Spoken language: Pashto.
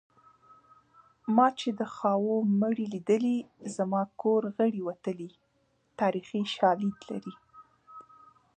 ما چې د خاوو مړي لیدلي زما کور غړي وتلي تاریخي شالید لري